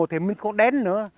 thì mình có đến nữa